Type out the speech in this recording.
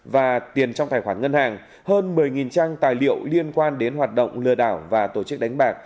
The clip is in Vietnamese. và tiền trong tài khoản ngân hàng hơn một mươi trang tài liệu liên quan đến hoạt động lừa đảo và tổ chức đánh bạc